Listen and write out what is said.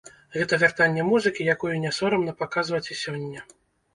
Гэта вяртанне музыкі, якую не сорамна паказваць і сёння.